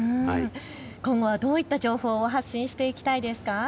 今後はどういった情報を発信していきたいですか。